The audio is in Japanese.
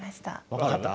分かった？